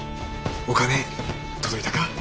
お金届いたか。